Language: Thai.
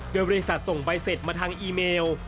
โดยบริษัทส่งใบเสร็จมาทางอีเมล